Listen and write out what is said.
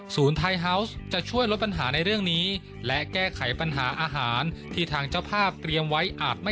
ไทยฮาวส์จะช่วยลดปัญหาในเรื่องนี้และแก้ไขปัญหาอาหารที่ทางเจ้าภาพเตรียมไว้อาจไม่